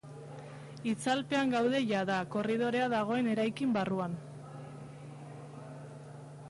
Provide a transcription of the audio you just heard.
Itzalpean gaude jada, korridorea dagoen eraikin barruan.